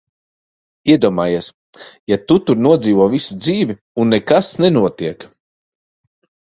Iedomājies, ja tu tur nodzīvo visu dzīvi, un nekas nenotiek!